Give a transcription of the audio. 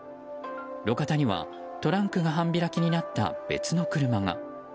路肩にはトランクが半開きになった別の車が。